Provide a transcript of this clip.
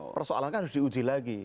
persoalan kan harus diuji lagi